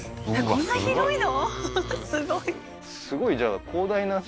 こんな広いの？